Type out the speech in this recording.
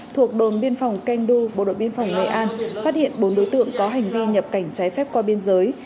thuộc đồn biên phòng kendu bộ đội biên phòng nghệ an phát hiện bốn đối tượng có hành vi nhập cảnh trái phép qua biên giới